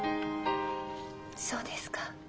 そうですか。